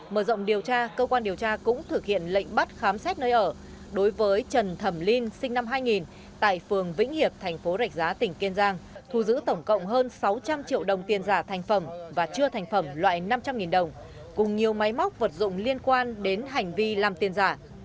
mở rộng điều tra cơ quan điều tra cũng thực hiện lệnh bắt khám xét nơi ở đối với trần thẩm linh sinh năm hai nghìn tại phường vĩnh hiệp thành phố rạch giá tỉnh kiên giang thu giữ tổng cộng hơn sáu trăm linh triệu đồng tiền giả thành phẩm và chưa thành phẩm loại năm trăm linh đồng cùng nhiều máy móc vật dụng liên quan đến hành vi làm tiền giả